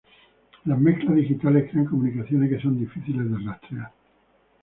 Las mezclas digitales crean comunicaciones que son difíciles de rastrear.